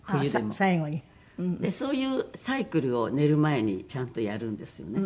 そういうサイクルを寝る前にちゃんとやるんですよね。